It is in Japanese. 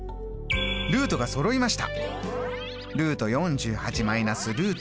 ルートがそろいました！